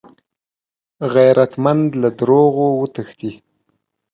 غیرتمند له دروغو وتښتي